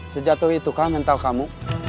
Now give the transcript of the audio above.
sejatuh itukah mental kamu